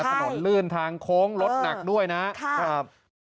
ถนนลื่นทางโค้งรถหนักด้วยนะครับ